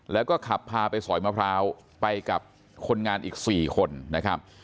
แล้วก็ขับพาไปสอยมะพร้าวไปกับคนงานอีก๔คนนะครับ